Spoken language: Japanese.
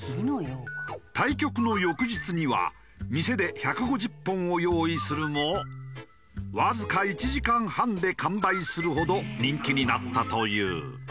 対局の翌日には店で１５０本を用意するもわずか１時間半で完売するほど人気になったという。